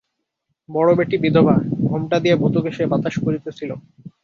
বড় বেঁটি বিধবা, ঘোমটা দিয়া ভুতোকে সে বাতাস করিতেছিল।